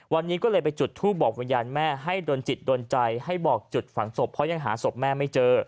วันนี้ก็เลยไปจุดทูปบอกวิญญาณแม่ให้โดนจิตโดนใจให้บอกจุดฝังศพเพราะยังหาศพแม่ไม่เจอ